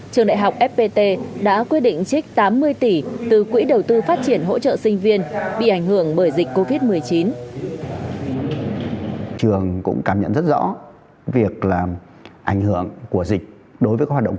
trường đại học fpt đã quyết định trích tám mươi tỷ từ quỹ đầu tư phát triển hỗ trợ sinh viên bị ảnh hưởng bởi dịch covid một mươi chín